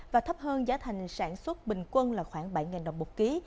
và thấp hơn giá thành sản xuất bình quân là khoảng bảy đồng một ký